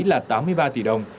là tám đồng